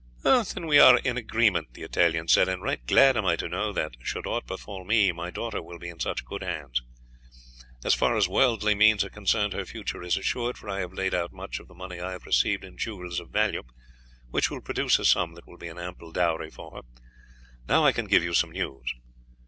"Then we are in agreement," the Italian said; "and right glad am I to know that should aught befall me, my daughter will be in such good hands. As far as worldly means are concerned her future is assured, for I have laid out much of the money I have received in jewels of value, which will produce a sum that will be an ample dowry for her. Now I can give you some news.